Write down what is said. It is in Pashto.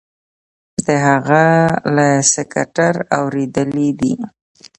د هغه له سکرتر اوریدلي دي.